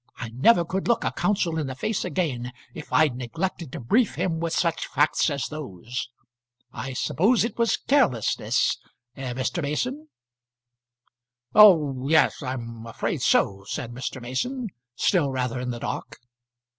I never could look a counsel in the face again, if I'd neglected to brief him with such facts as those. I suppose it was carelessness; eh, Mr. Mason?" "Oh, yes; I'm afraid so," said Mr. Mason, still rather in the dark.